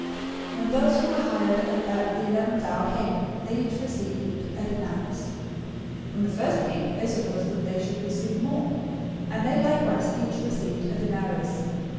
020:009 "When those who were hired at about the eleventh hour came, they each received a denarius. 020:010 When the first came, they supposed that they would receive more; and they likewise each received a denarius.